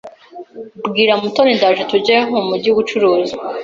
Bwira Mutoni ndaje tujye mu mujyi gucuruza.